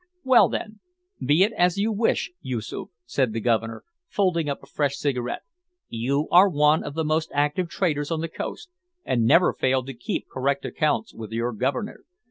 "Well, then, be it as you wish, Yoosoof," said the Governor, folding up a fresh cigarette; "you are one of the most active traders on the coast, and never fail to keep correct accounts with your Governor.